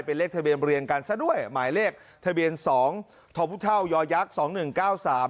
เป็นเลขทะเบียนเรียงกันซะด้วยหมายเลขทะเบียนสองทอพุเท่ายอยักษ์สองหนึ่งเก้าสาม